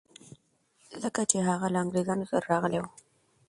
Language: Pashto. ځکه چي هغه له انګریزانو سره راغلی و.